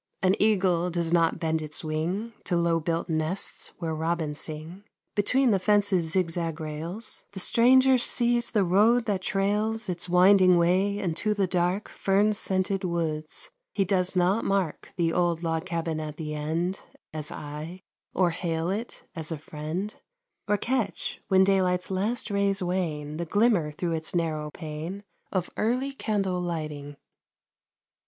An eagle does not bend its wing To low built nests where robins sing. Between the fence's zigzag rails, The stranger sees the road that trails Its winding way into the dark, Fern scented woods. He does not mark The old log cabin at the end As I, or hail it as a friend, Or catch, when daylight's last rays wane, The glimmer through its narrow pane Of early candle lighting.